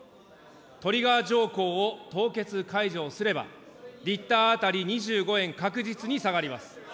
トリガー条項を凍結・解除をすれば、リッター当たり２５円、確実に下がります。